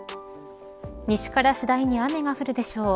西から次第に雨が降るでしょう。